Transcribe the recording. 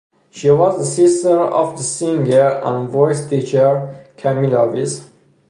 She was the sister of the singer and voice teacher Camilla Wiese.